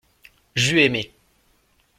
J’eus aimé.